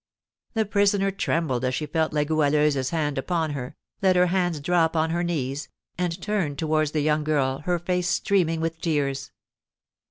The prisoner trembled as she felt La Goualeuse's hand upon her, let her hands drop on her knees, and turned towards the young girl, her face streaming with tears.